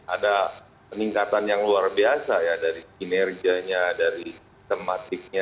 ada peningkatan yang luar biasa ya dari kinerjanya dari sistematiknya